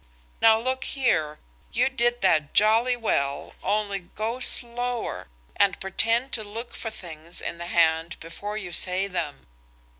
Now look here. You did that jolly well, only go slower, and pretend to look for things in the hand before you say them.